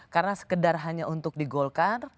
karena sekedar hanya untuk digolkan